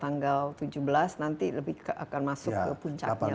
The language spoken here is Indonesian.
tanggal tujuh belas nanti lebih akan masuk ke puncaknya